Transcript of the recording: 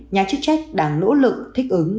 nhà chức trách đang nỗ lực thích ứng